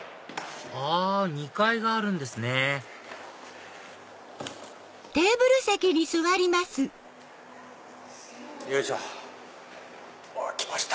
あ２階があるんですねよいしょ。来ました！